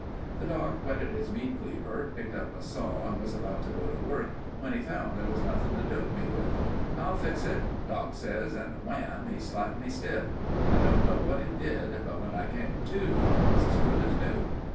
"The doc whetted his meat cleaver, picked up a saw and was about to go to work, when he found there was nothing to dope me with. 'I'll fix it,' Doc says, and wham—he slapped me stiff. I don't know what he did, but when I came to I was good as new."